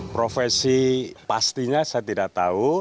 profesi pastinya saya tidak tahu